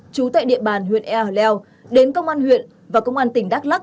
trú tại địa bàn huyện ea leo đến công an huyện và công an tỉnh đắk lắc